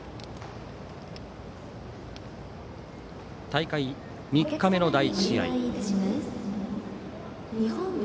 大会３日目の第１試合。